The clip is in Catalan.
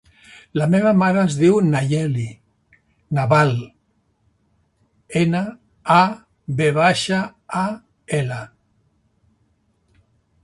La meva mare es diu Nayeli Naval: ena, a, ve baixa, a, ela.